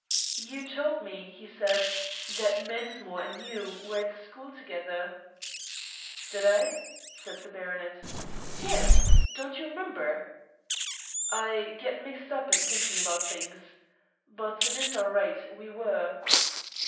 "You told me," he said, "that Mensmore and you were at school together?" "Did I?" said the baronet. "Yes; don't you remember?" "I get mixed up in thinking about things. But it is all right. We were."